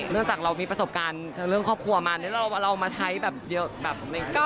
เรื่องจากเรามีประสบการณ์เรื่องครอบครัวมาเราเอามาใช้แบบเยอะแบบ